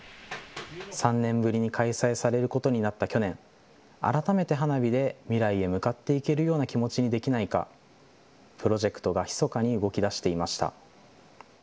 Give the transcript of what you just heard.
３年ぶりに開催されることになった去年、改めて花火で未来へ向かっていけるような気持ちにできないか、プロジェクトがひそかに動きだしていました。